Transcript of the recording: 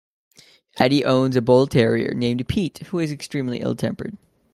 Eddie owns a bull terrier named Pete, who is extremely ill-tempered.